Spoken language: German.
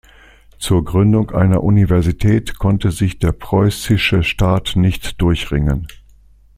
Zur Gründung einer Universität konnte sich der preußische Staat nicht durchringen.